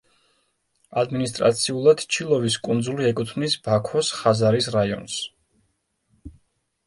ადმინისტრაციულად ჩილოვის კუნძული ეკუთვნის ბაქოს ხაზარის რაიონს.